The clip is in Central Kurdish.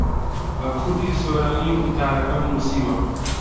بە کوردیی سۆرانی وتارەکەم نووسیوە.